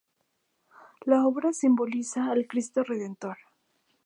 La obra simboliza al Cristo Redentor.